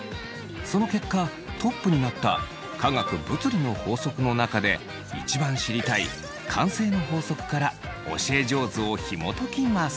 その結果トップになった科学・物理の法則の中で一番知りたい慣性の法則から教え上手をひもときます。